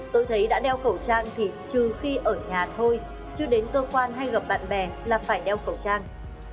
tôi thấy đã đeo khẩu trang thì trừ khi ở nhà thôi chưa đến cơ quan hay gặp bạn bè là phải đeo khẩu trang